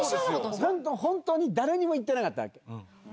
本当に誰にも言ってなかったわけ。